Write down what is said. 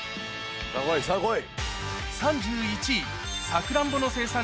さぁこいさぁこい。